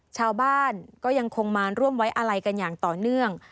ชาวบ้านก็ยังคงมาร่วมไว้อาลัยกันอย่างต่อเนื่อง